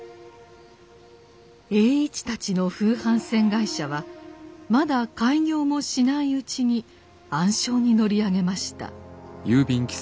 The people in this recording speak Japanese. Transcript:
栄一たちの風帆船会社はまだ開業もしないうちに暗礁に乗り上げました。